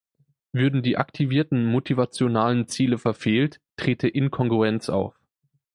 Würden die aktivierten motivationalen Ziele verfehlt, trete "Inkongruenz" auf.